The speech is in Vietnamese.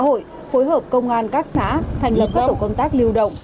hội phối hợp công an các xã thành lập các tổ công tác lưu động